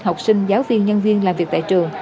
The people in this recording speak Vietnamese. học sinh giáo viên nhân viên làm việc tại trường